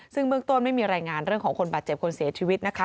ซึ่งเบื้องต้นไม่มีรายงานเรื่องของคนบาดเจ็บคนเสียชีวิตนะคะ